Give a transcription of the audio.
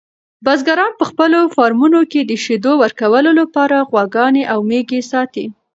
بزګران په خپلو فارمونو کې د شیدو ورکولو لپاره غواګانې او میږې ساتي.